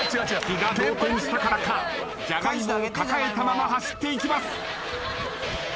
気が動転したからかジャガイモを抱えたまま走っていきます。